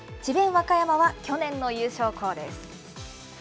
和歌山は去年の優勝校です。